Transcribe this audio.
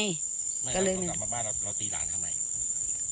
ก็กลับมาบ้านแล้วตีหลานทำไม